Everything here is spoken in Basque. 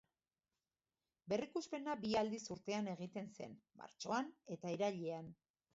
Berrikuspena bi aldiz urtean egiten zen, martxoan eta irailean.